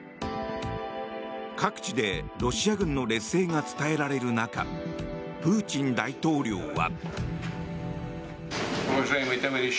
各地でロシア軍の劣勢が伝えられる中プーチン大統領は。